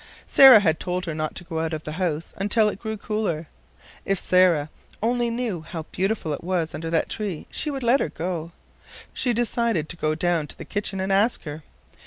Sarah had told her not to go out of the house until it grew cooler. If Sarah only knew how beautiful it was under that tree she would let her go. She decided to go down to the kitchen and ask her.